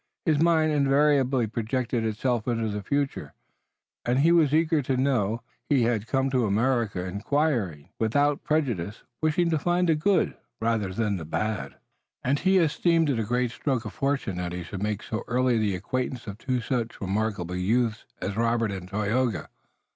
His mind invariably projected itself into the future, and he was eager to know. He had come to America, inquiring, without prejudices, wishing to find the good rather than the bad, and he esteemed it a great stroke of fortune that he should make so early the acquaintance of two such remarkable youths as Robert and Tayoga.